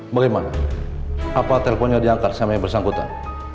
bagaimana apa telponnya diangkat sama yang bersangkutan